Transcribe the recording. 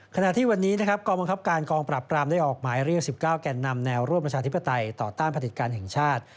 ขณะที่วันนี้นะครับกองบังคับการกองปรับปรามได้ออกหมายเรียก๑๙แก่นนำแนวร่วมประชาธิปไตยต่อต้านผลิตการแห่งชาติ